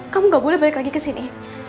kamu gak boleh balik lagi kesini